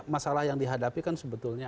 masalah yang dihadapi kan sebetulnya